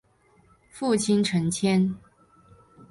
父亲陈谦。